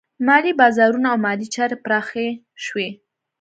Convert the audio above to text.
مالي بازارونه او مالي چارې پراخه شوې.